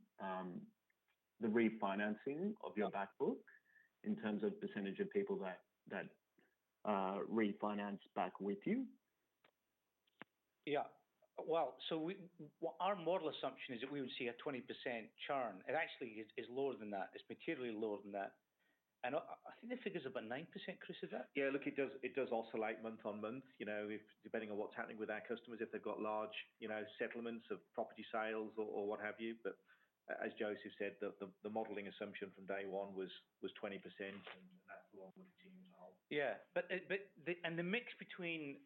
the refinancing of your back book in terms of percentage of people that refinance back with you? Our model assumption is that we would see a 20% churn. It actually is lower than that. It's materially lower than that. I think the figure's about 9%, Chris, is that? Yeah, look, it does oscillate month-on-month, you know, depending on what's happening with our customers, if they've got large, you know, settlements of property sales or what have you. But as Joseph said, the modeling assumption from day one was 20%, and that's along with the team as well. Yeah. The mix between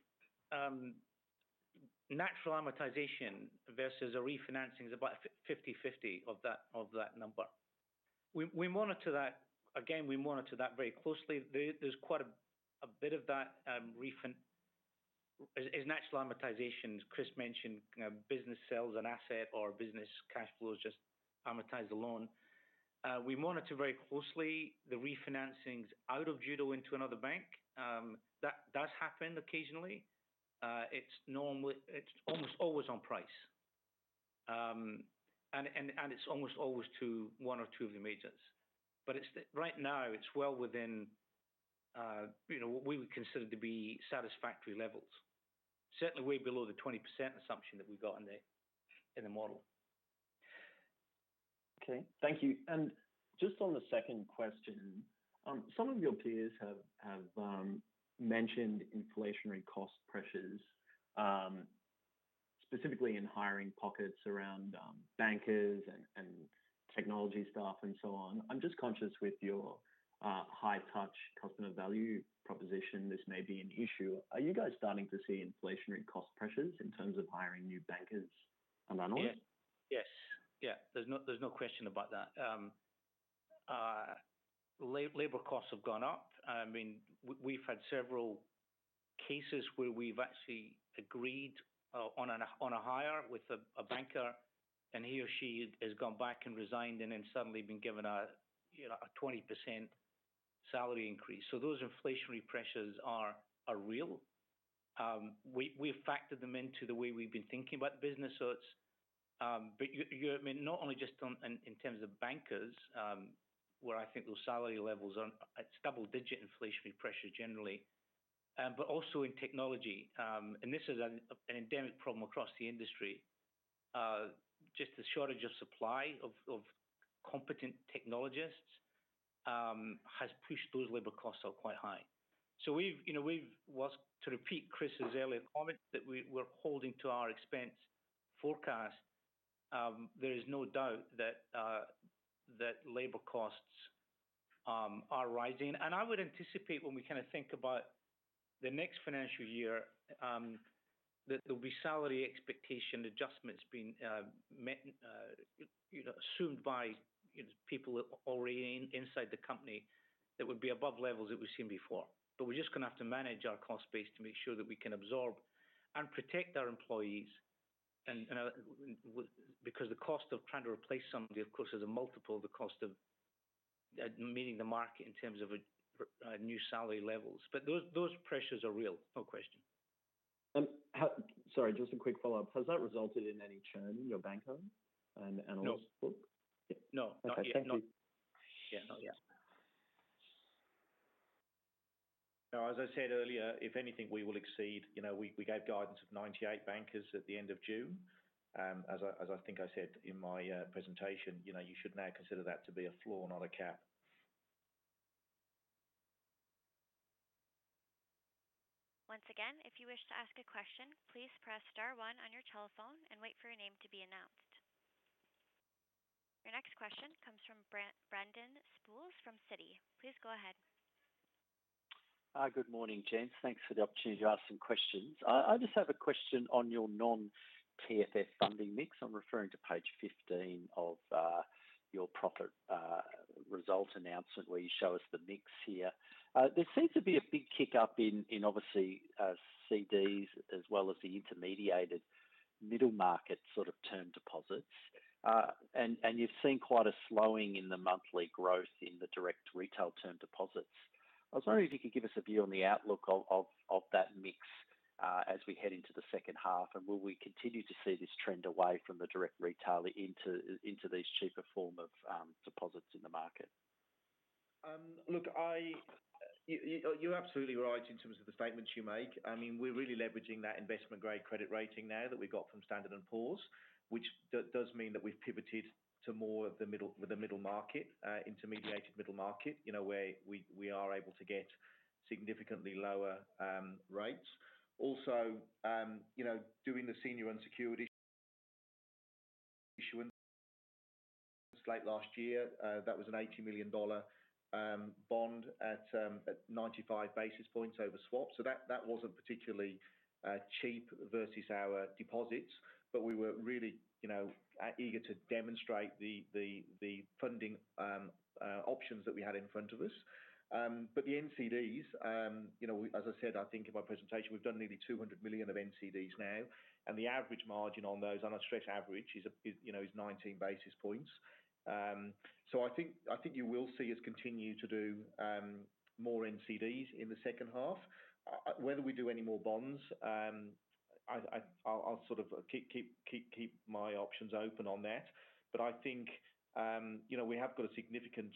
natural amortization versus a refinancing is about 50/50 of that number. We monitor that. Again, we monitor that very closely. There's quite a bit of that. Natural amortization, as Chris mentioned, you know, business sells an asset or business cash flows just amortize the loan. We monitor very closely the refinancings out of Judo into another bank. That does happen occasionally. It's almost always on price. It's almost always to one or two of the majors. Right now, it's well within what we would consider to be satisfactory levels. Certainly way below the 20% assumption that we've got in the model. Okay. Thank you. Just on the second question, some of your peers have mentioned inflationary cost pressures, specifically in hiring pockets around bankers and technology staff and so on. I'm just conscious with your high touch customer value proposition, this may be an issue. Are you guys starting to see inflationary cost pressures in terms of hiring new bankers and analysts? Yes. There's no question about that. Labor costs have gone up. I mean, we've had several cases where we've actually agreed on a hire with a banker, and he or she has gone back and resigned and then suddenly been given, you know, a 20% salary increase. Those inflationary pressures are real. We've factored them into the way we've been thinking about the business. It's not only just in terms of bankers, where I think those salary levels are, it's double-digit inflationary pressure generally, but also in technology. This is an endemic problem across the industry. Just the shortage of supply of competent technologists has pushed those labor costs up quite high. Want to repeat Chris's earlier comment that we're holding to our expense forecast. There is no doubt that labor costs are rising. I would anticipate when we kind of think about the next financial year that there'll be salary expectation adjustments being made, you know, assumed by, you know, people already inside the company that would be above levels that we've seen before. We're just gonna have to manage our cost base to make sure that we can absorb and protect our employees and because the cost of trying to replace somebody, of course, is a multiple of the cost of meeting the market in terms of new salary levels. Those pressures are real, no question. Sorry, just a quick follow-up. Has that resulted in any churn in your banker and analyst book? No. Not yet. Okay. Thank you. Yeah, not yet. No, as I said earlier, if anything, we will exceed. You know, we gave guidance of 98 bankers at the end of June. As I think I said in my presentation, you know, you should now consider that to be a floor, not a cap. Once again, if you wish to ask a question, please press star one on your telephone and wait for your name to be announced. Your next question comes from Brendan Sproules from Citi. Please go ahead. Good morning, gents. Thanks for the opportunity to ask some questions. I just have a question on your non-TFF funding mix. I'm referring to page 15 of your profit results announcement, where you show us the mix here. There seems to be a big kick up in obviously CDs as well as the intermediated middle market sort of term deposits. You've seen quite a slowing in the monthly growth in the direct retail term deposits. I was wondering if you could give us a view on the outlook of that mix as we head into the second half, and will we continue to see this trend away from the direct retail into these cheaper form of deposits in the market? Look, you're absolutely right in terms of the statements you make. I mean, we're really leveraging that investment grade credit rating now that we got from Standard & Poor's, which does mean that we've pivoted to more of the middle market, intermediated middle market, you know, where we are able to get significantly lower rates. Also, you know, doing the senior unsecured issuance late last year, that was an 80 million dollar bond at 95 basis points over swap. That wasn't particularly cheap versus our deposits, but we were really, you know, eager to demonstrate the funding options that we had in front of us. The NCDs, you know, as I said, I think in my presentation, we've done nearly 200 million of NCDs now, and the average margin on those on a straight average is, you know, 19 basis points. I think you will see us continue to do more NCDs in the second half. Whether we do any more bonds, I'll sort of keep my options open on that. I think, you know, we have got a significant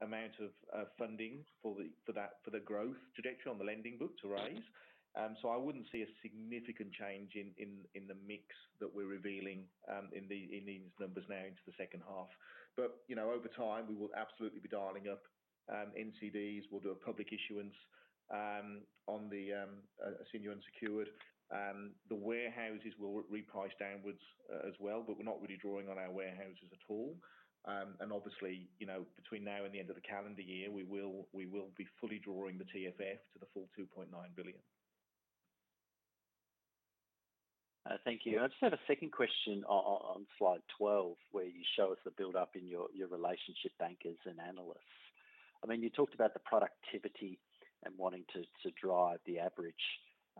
amount of funding for the growth trajectory on the lending book to raise. I wouldn't see a significant change in the mix that we're revealing in these numbers now into the second half. You know, over time, we will absolutely be dialing up NCDs. We'll do a public issuance on the senior unsecured. The warehouses will reprice downwards as well, but we're not really drawing on our warehouses at all. And obviously, you know, between now and the end of the calendar year, we will be fully drawing the TFF to the full 2.9 billion. Thank you. I just have a second question on slide 12, where you show us the build-up in your relationship bankers and analysts. I mean, you talked about the productivity and wanting to drive the average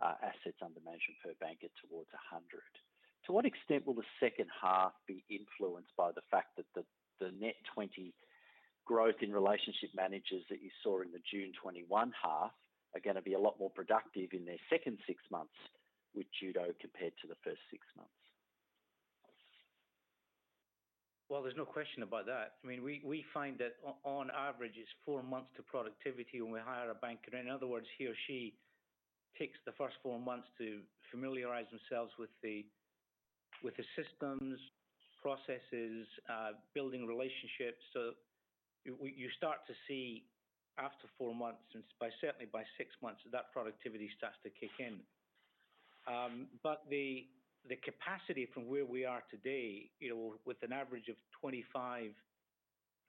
assets under management per banker towards 100. To what extent will the second half be influenced by the fact that the net 20 growth in relationship managers that you saw in the June 2021 half are gonna be a lot more productive in their second six months with Judo compared to the first six months? Well, there's no question about that. I mean, we find that on average, it's 4 months to productivity when we hire a banker. In other words, he or she takes the first 4 months to familiarize themselves with the systems, processes, building relationships. You start to see after 4 months and by, certainly by 6 months, that productivity starts to kick in. But the capacity from where we are today, you know, with an average of 25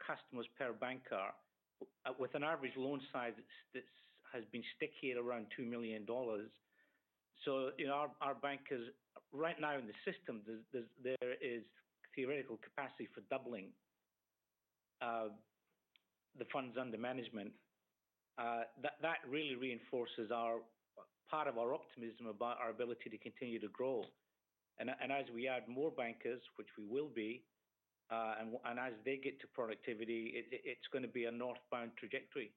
customers per banker, with an average loan size that has been sticky at around 2 million dollars. You know, our bankers right now in the system, there is theoretical capacity for doubling the funds under management. That really reinforces part of our optimism about our ability to continue to grow. As we add more bankers, which we will be, and as they get to productivity, it's gonna be a northbound trajectory.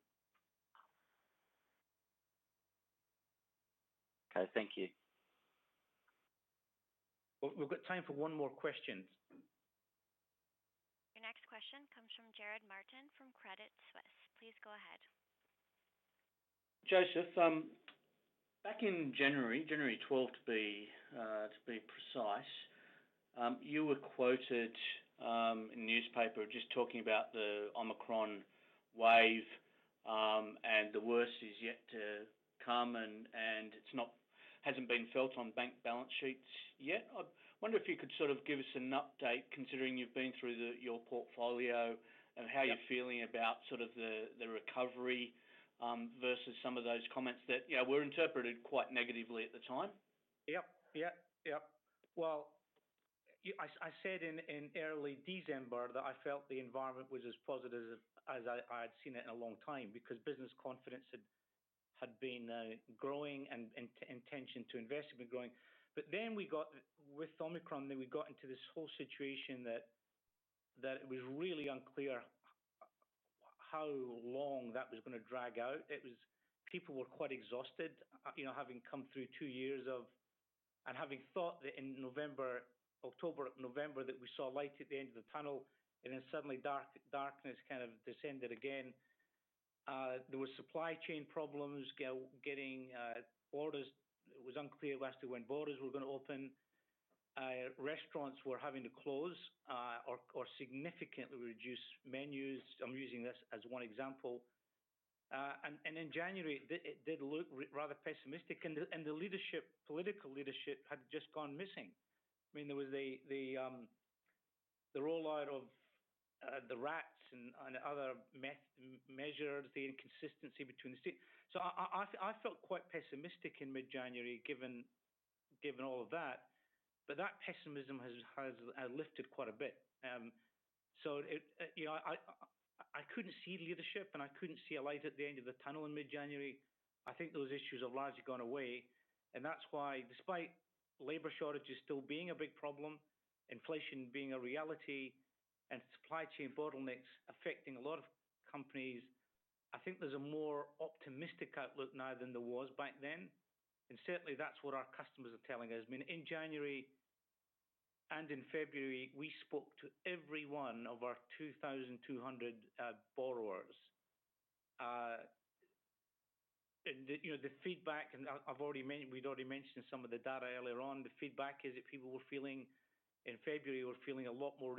Okay, thank you. We've got time for one more question. Your next question comes from Jarrod Martin from Credit Suisse. Please go ahead. Joseph, back in 12th January, to be precise, you were quoted in the newspaper just talking about the Omicron wave, and the worst is yet to come and it hasn't been felt on bank balance sheets yet. I wonder if you could sort of give us an update, considering you've been through your portfolio and how you're feeling. Yeah. About sort of the recovery versus some of those comments that, you know, were interpreted quite negatively at the time. Yep. Well, I said in early December that I felt the environment was as positive as I'd seen it in a long time because business confidence had been growing and intention to invest had been growing. We got hit with Omicron, then we got into this whole situation that it was really unclear how long that was gonna drag out. People were quite exhausted, you know, having come through two years and having thought that in October, November, that we saw a light at the end of the tunnel, and then suddenly darkness kind of descended again. There was supply chain problems, lockdowns, borders. It was unclear as to when borders were gonna open. Restaurants were having to close or significantly reduce menus. I'm using this as one example. In January, it did look rather pessimistic. The leadership, political leadership had just gone missing. I mean, there was the rollout of the RATs and other measures, the inconsistency between the states. I felt quite pessimistic in mid-January given all of that. That pessimism has lifted quite a bit. You know, I couldn't see leadership, and I couldn't see a light at the end of the tunnel in mid-January. I think those issues have largely gone away, and that's why despite labor shortages still being a big problem, inflation being a reality, and supply chain bottlenecks affecting a lot of companies, I think there's a more optimistic outlook now than there was back then. Certainly that's what our customers are telling us. I mean, in January and in February, we spoke to every one of our 2,200 borrowers. You know, the feedback, we'd already mentioned some of the data earlier on. The feedback is that people were feeling in February a lot more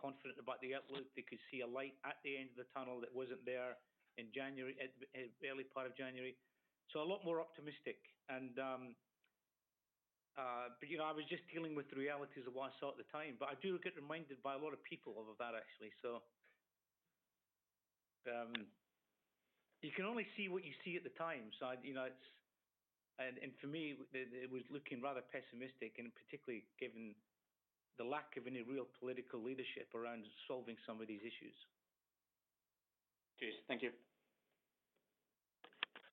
confident about the outlook. They could see a light at the end of the tunnel that wasn't there in January, early part of January. A lot more optimistic. You know, I was just dealing with the realities of what I saw at the time. I do get reminded by a lot of people of that actually. You can only see what you see at the time. You know, it's... For me, it was looking rather pessimistic, particularly given the lack of any real political leadership around solving some of these issues. Cheers. Thank you.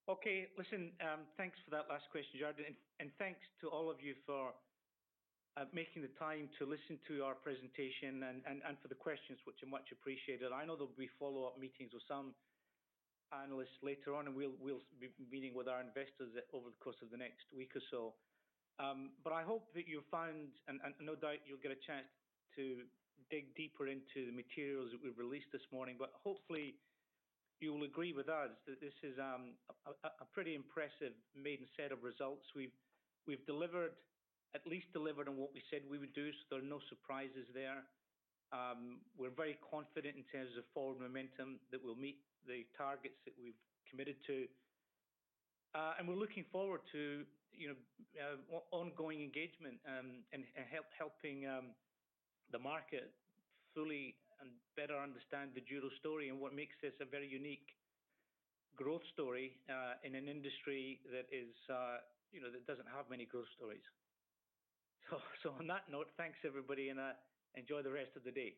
Okay. Listen, thanks for that last question, Jarrod, and thanks to all of you for making the time to listen to our presentation and for the questions, which are much appreciated. I know there'll be follow-up meetings with some analysts later on, and we'll be meeting with our investors over the course of the next week or so. I hope that you found and no doubt you'll get a chance to dig deeper into the materials that we've released this morning. Hopefully, you will agree with us that this is a pretty impressive maiden set of results. We've delivered at least on what we said we would do, so there are no surprises there. We're very confident in terms of forward momentum that we'll meet the targets that we've committed to. We're looking forward to, you know, ongoing engagement, and helping the market fully and better understand the Judo story and what makes this a very unique growth story, in an industry that is, you know, that doesn't have many growth stories. So on that note, thanks everybody, and enjoy the rest of the day.